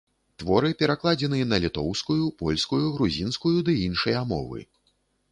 Творы перакладзены на літоўскую, польскую, грузінскую ды іншыя мовы.